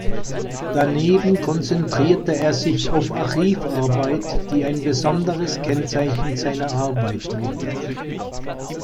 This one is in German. Daneben konzentrierte er sich auf Archivarbeit, die ein besonderes Kennzeichen seiner Arbeit wurde.